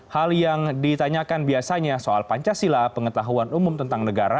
hal yang ditanyakan biasanya soal pancasila pengetahuan umum tentang negara